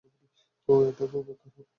এটা খুব খারাপ।